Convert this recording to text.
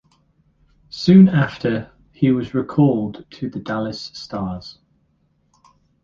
Soon after, he was recalled to the Dallas Stars.